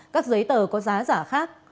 các giấy tờ có giá giả khác